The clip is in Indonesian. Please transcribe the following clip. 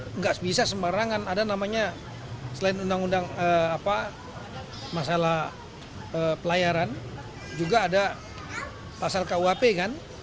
tidak bisa sembarangan ada namanya selain undang undang masalah pelayaran juga ada pasal kuhp kan